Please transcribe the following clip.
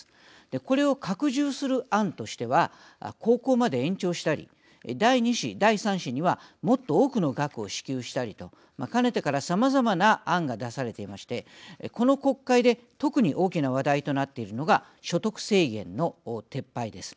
これを拡充する案としては高校まで延長したり第２子、第３子にはもっと多くの額を支給したりとかねてからさまざまな案が出されていましてこの国会で特に大きな話題となっているのが所得制限の撤廃です。